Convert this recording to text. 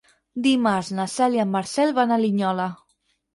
Dimarts na Cel i en Marcel van a Linyola.